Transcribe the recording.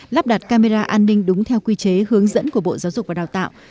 lắp đặt camera an ninh đúng theo quy chế hướng dẫn của bộ giáo dục và đào tạo